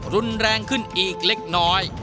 รุนแรงขึ้นอีกเล็กน้อย